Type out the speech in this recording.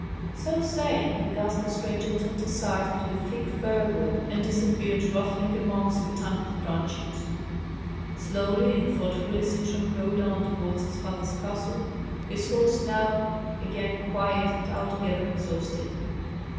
So saying, the ghastly stranger turned aside into a thick fir wood, and disappeared rattling amongst the tangled branches. Slowly and thoughtfully Sintram rode on towards his father's castle, his horse now again quiet and altogether exhausted.